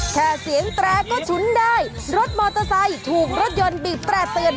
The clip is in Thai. แค่เสียงแตรก็ฉุนได้รถมอเตอร์ไซค์ถูกรถยนต์บีบแตร่เตือน